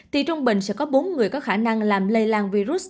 thì trung bình sẽ có bốn người có khả năng làm lây lan virus